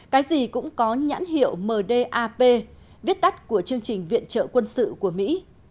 cái gì cũng có nhãn hiệu mdap viết tắt của chương trình viện trợ quân sự của mỹ